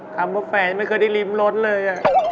ทำตัวแปลงไม่เคยได้ลิมรถเลย